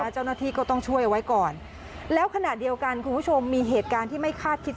เจ้าหน้าที่ก็ต้องช่วยเอาไว้ก่อนแล้วขณะเดียวกันคุณผู้ชมมีเหตุการณ์ที่ไม่คาดคิด